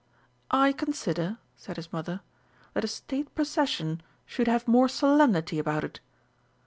"I consider," said his mother, "that a State procession should have more solemnity about it....